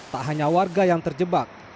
tak hanya warga yang terjebak